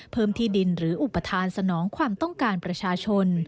ที่ดินหรืออุปทานสนองความต้องการประชาชน